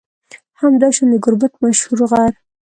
همداشان د گربت مشهور غر